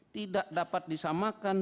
tidak dapat disamakan